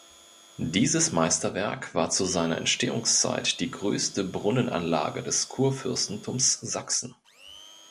Dieses Meisterwerk war zu seiner Entstehungszeit die größte Brunnenanlage des Kurfürstentums Sachsen.